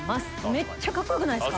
めっちゃカッコよくないですか？